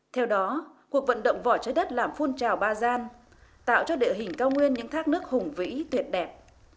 theo đó cuộc vận động vỏ trái đất làm phun trào ba gian tạo cho địa hình cao nguyên những thác nước hùng vĩ tuyệt đẹp